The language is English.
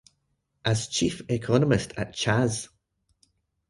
As Chief Economist at Chas.